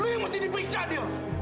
lo yang mesti diperiksa gil